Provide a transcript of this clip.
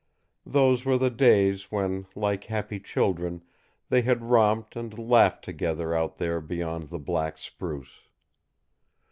Those were the days when, like happy children, they had romped and laughed together out there beyond the black spruce.